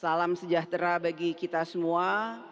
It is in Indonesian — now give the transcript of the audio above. salam sejahtera bagi kita semua